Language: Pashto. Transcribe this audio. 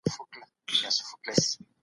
ولي د ژمنو درناوی په ډیپلوماسۍ کي شرط دی؟